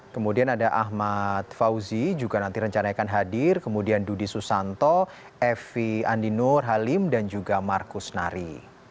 kemudian ada ahmad fauzi juga nanti rencana akan hadir kemudian dudi susanto evi andinur halim dan juga markus nari